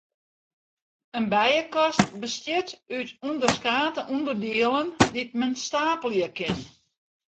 In bijekast bestiet út ûnderskate ûnderdielen dy't men steapelje kin.